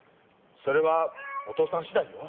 それはお父さん次第よ。